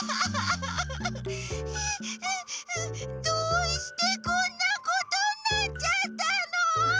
どうしてこんなことになっちゃったの？